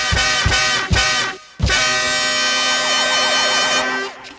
เชียวว่าตอนนี้ความหิวคงเก็มเป็นแถวแต่พักไว้สักแป๊บ